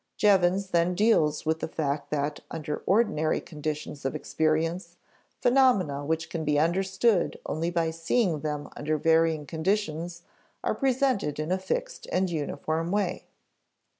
Jevons then deals with the fact that, under ordinary conditions of experience, phenomena which can be understood only by seeing them under varying conditions are presented in a fixed and uniform way.